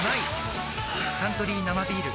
「サントリー生ビール」